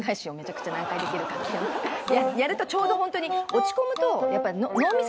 やるとちょうどホントに落ち込むと。